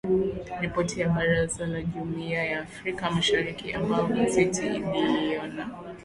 Ripoti ya Baraza la jumuia ya Afrika Mashariki ambayo gazeti iliiona